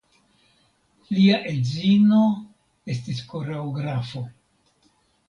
Lia edzino estis koreografo.